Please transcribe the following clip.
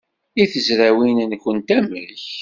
I tezrawin-nwent, amek?